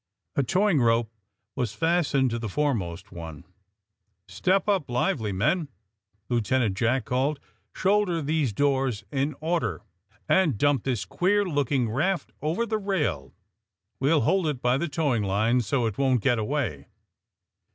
A towing rope was fastened to the foremost one. ''Step Tip lively, men!" Lieutenant Jack called. ''Shonlder these doors in order and dnmp this qneer looking raft over the rail. We'll hold it by the towing line so it won't get away.